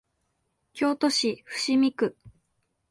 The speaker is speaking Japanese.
京都市伏見区